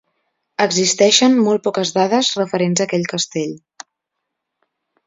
Existeixen molt poques dades referents a aquest castell.